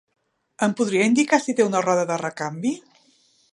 Em podria indicar si té una roda de recanvi?